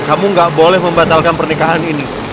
kamu gak boleh membatalkan pernikahan ini